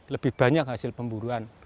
lebih banyak hasil pemburuan